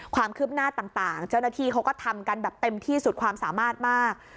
ความคืบหน้าต่างเจ้าหน้าที่เขาก็ทำกันแบบเต็มที่สุดความสามารถมาก